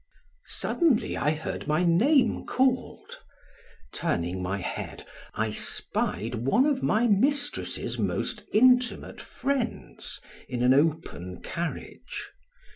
Suddenly I heard my name called. Turning my head I spied one of my mistress's most intimate friends in an open carriage.